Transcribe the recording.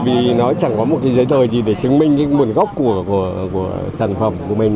vì nó chẳng có một giấy thời gì để chứng minh nguồn gốc của sản phẩm của mình